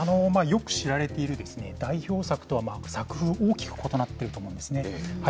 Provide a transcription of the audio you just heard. よく知られている代表作とは作風、大きく異なっていると思うんですね。